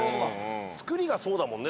作りがそうだもんね。